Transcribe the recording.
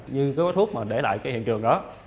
như cái gói thuốc mà để lại cái hiện trường đó